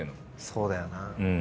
そうだよな。